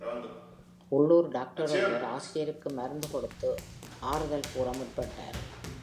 உள்ளூர் டாக்டர் ஒருவர், ஆசிரியருக்கு மருந்து கொடுத்து, ஆறுதல் கூற முற்பட்டார்.